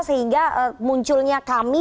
sehingga munculnya kami